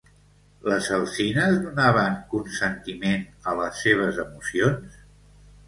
Les alzines donaven consentiment a les seves emocions?